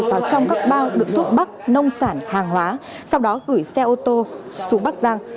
vào trong các bao đựng thuốc bắc nông sản hàng hóa sau đó gửi xe ô tô xuống bắc giang